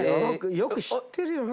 よく知ってるよな。